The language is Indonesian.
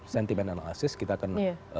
sentiment analysis kita akan